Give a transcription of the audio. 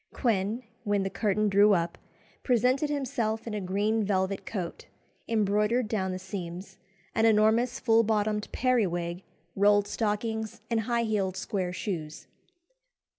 Quin, when the curtain drew up, presented himself in a green velvet coat, embroidered down the seams, an enormous full bottomed periwig, rolled stockings, and high heeled square shoes.